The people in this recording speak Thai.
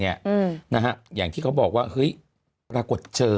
อย่างที่เขาบอกว่าปรากฏเจอ